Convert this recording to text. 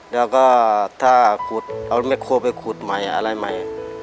แล้วก็ถ้าขุดเอาแม่โคไปขุดใหม่อะไรใหม่